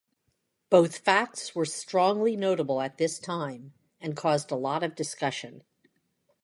Both facts were strongly notable at this time and caused a lot of discussion.